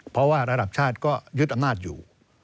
เพราะว่าระดับชาติก็ยึดอำนาจอยู่